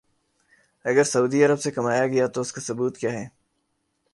اگر سعودی عرب سے کمایا گیا تو اس کا ثبوت کیا ہے؟